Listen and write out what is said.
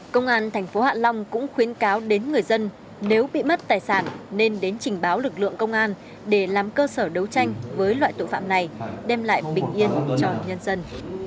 công an thành phố hạ long cũng khuyến cáo đến người dân nếu bị mất tài sản nên đến trình báo lực lượng công an để làm cơ sở đấu tranh với loại tội phạm này đem lại bình yên cho nhân dân